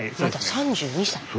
３２歳！